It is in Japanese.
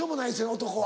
男は。